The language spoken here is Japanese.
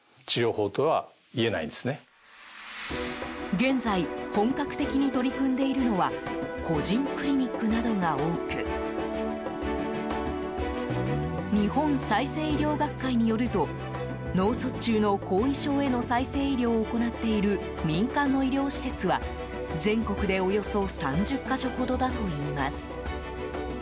現在本格的に取り組んでいるのは個人クリニックなどが多く日本再生医療学会によると脳卒中の後遺症への再生医療を行っている民間の医療施設は、全国でおよそ３０か所ほどだといいます。